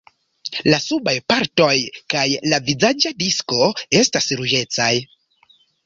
La subaj partoj kaj la vizaĝa disko estas ruĝecaj.